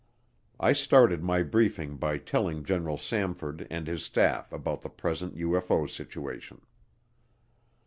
I started my briefing by telling General Samford and his staff about the present UFO situation.